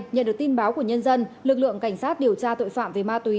nhận được tin báo của nhân dân lực lượng cảnh sát điều tra tội phạm về ma túy